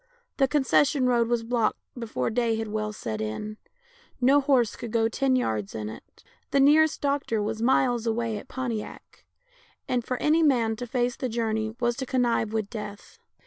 The concession road was blocked before day had well set in ; no horse could go ten yards in it. The nearest doctor was miles away at Pontiac, and for any man to face the journey was to connive with death.